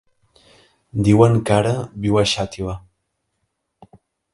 Diuen que ara viu a Xàtiva.